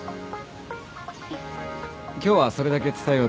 今日はそれだけ伝えようと思って。